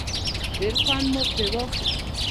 ډېر خوند مو پرې واخیست.